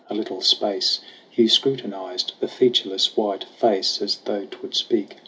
A little space Hugh scrutinized the featureless white face, As though 'twould speak.